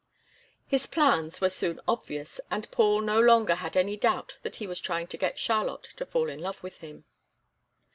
His plans were soon obvious, and Paul no longer had any doubt that he was trying to get Charlotte to fall in love with him.